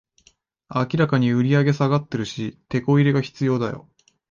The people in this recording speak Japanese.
明らかに売上下がってるし、テコ入れが必要だよ